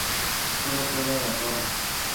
Sólo quedó la torre.